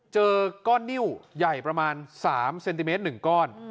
เจอก้อนนิ้วใหญ่ประมาณ๓เซนติเมตร๑ก้อน